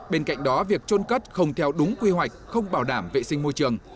bên cạnh đó việc trôn cất không theo đúng quy hoạch không bảo đảm vệ sinh môi trường